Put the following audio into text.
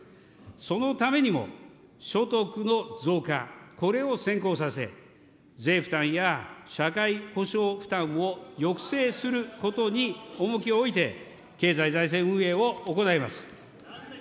そのためにも、所得の増加、これを先行させ、税負担や社会保障負担を抑制することに重きを置いて、経済財政運営を行います。